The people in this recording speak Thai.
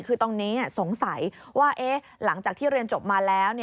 คือตรงนี้สงสัยว่าหลังจากที่เรียนจบมาแล้ว